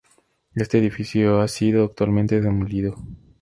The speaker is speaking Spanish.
Este edificio ha sido actualmente demolido.